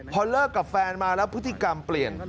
พอเลิกกับแฟนมาแล้วพฤติกรรมเปลี่ยน